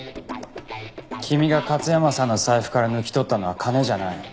君が勝山さんの財布から抜き取ったのは金じゃない。